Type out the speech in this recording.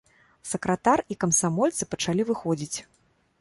Сакратар і камсамольцы пачалі выходзіць.